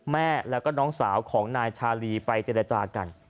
แม่แล้วก็น้องสาวของนายชาลีไปเจรจากัน